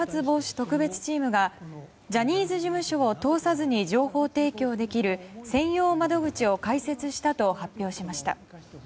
特別チームがジャニーズ事務所を通さずに情報提供できる専用窓口を開設したと発表しました。